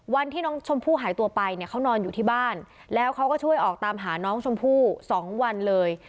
วันที่น้องชมพู่หายตัวไปเนี่ยเขานอนอยู่ที่บ้านแล้วเขาก็ช่วยออกตามหาน้องชมพู่๒วันเลย